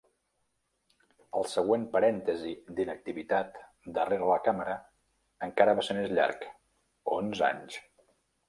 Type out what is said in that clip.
El següent parèntesi d'inactivitat darrere la càmera encara va ser més llarg: onze anys.